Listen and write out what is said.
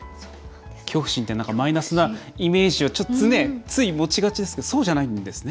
恐怖心ってマイナスなイメージをつい持ちがちですけどそうじゃないんですね。